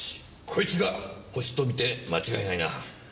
こいつがホシと見て間違いないな。